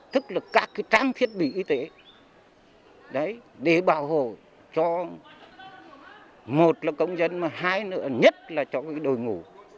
tức là các trang thiết bị y tế để bảo hồ cho một là công dân và hai nữa nhất là cho đội ngủ